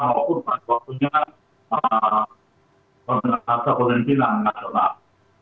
maupun pasoknya pemerintah pemerintah keuang keuang pinang